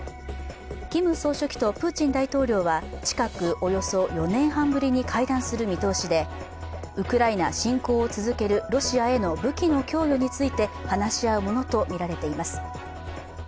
キム総書記とプーチン大統領は近くおよそ４年半ぶりに会談する見通しでウクライナ侵攻を続けるロシアへの武器の供与について話し合うものとみられています。